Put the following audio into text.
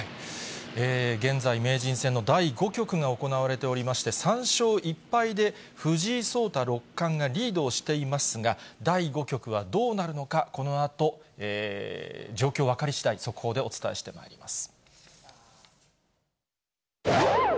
現在、名人戦の第５局が行われておりまして、３勝１敗で藤井聡太六冠がリードをしていますが、第５局はどうなるのか、このあと、状況分かり次第、速報でお伝えしてまいります。